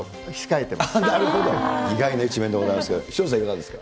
なるほど、意外な一面でございましたけれども、潮田さん、いかがですか。